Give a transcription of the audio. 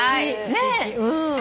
ねえ。